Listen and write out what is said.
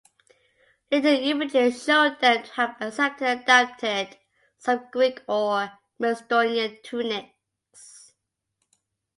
Later images showed them to have accepted and adapted some Greek or Macedonian tunics.